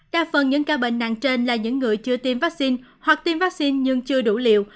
đa phần những ca bệnh nặng trên là những người chưa tiêm vắc xin hoặc tiêm vắc xin nhưng chưa đủ liều